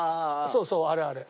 そうそうあれあれ。